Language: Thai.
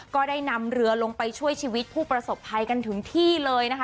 ก็ได้นำเรือลงไปช่วยชีวิตผู้ประสบภัยกันถึงที่เลยนะคะ